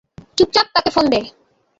চুপচাপ তাকে ফোন দে।